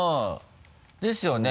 ですよね。